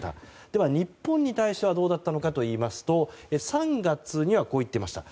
では、日本に対してはどうだったのかといいますと３月にはこう言っていました。